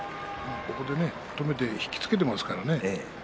止めて引き付けてますからね。